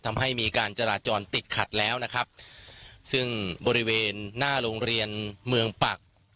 ทำให้มีการจราจรติดขัดแล้วนะครับซึ่งบริเวณหน้าโรงเรียนเมืองปัก